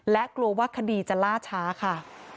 และกลัวว่าคดีจะล่าช้าค่ะ